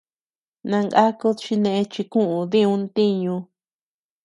Nangakud chi neʼe chi kuʼuu diuu ntiñu.